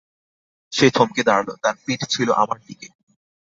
সে থমকে দাঁড়ালো, তার পিঠ ছিল আমার দিকে।